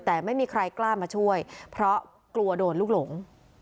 แต่ไม่มีใครกล้ามาช่วยเพราะกลัวโดนลูกหลง